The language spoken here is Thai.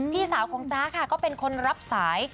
พี่สาวของจ๊ะค่ะก็เป็นคนรับสาย